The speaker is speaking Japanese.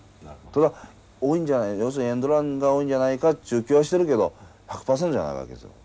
ただ多いんじゃな要するにエンドランが多いんじゃないかっちゅう気はしてるけど１００％じゃないわけですよ。